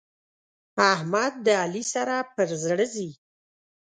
احمد د علي سره پر زړه ځي.